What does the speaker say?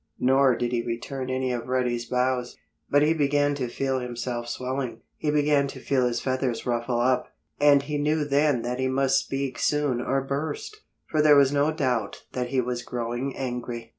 Nor did he return any of Reddy's bows. But he began to feel himself swelling; he began to feel his feathers ruffle up. And he knew then that he must speak soon or burst. For there was no doubt that he was growing angry.